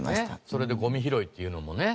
それでゴミ拾いっていうのもね。